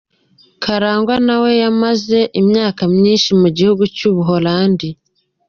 Karangwa na we yamaze imyaka myinshi mu gihugu cy’u Buholandi.